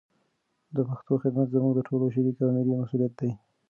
د پښتو خدمت زموږ د ټولو شریک او ملي مسولیت دی.